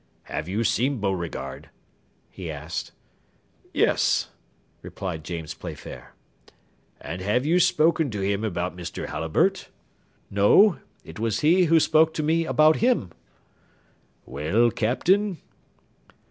"Have you seen Beauregard?" he asked. "Yes," replied James Playfair. "And have you spoken to him about Mr. Halliburtt?" "No, it was he who spoke to me about him." "Well, Captain?"